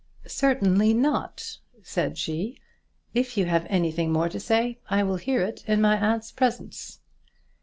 "Certainly not," said she. "If you have anything more to say I will hear it in my aunt's presence."